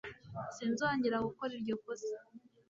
Sinzongera gukora iryo kosa